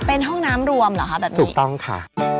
เป็นห้องน้ำรวมเหรอคะแบบนี้ถูกต้องค่ะ